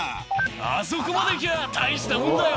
あそこまで行きゃあ、大したもんだよ。